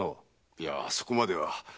いやそこまでは。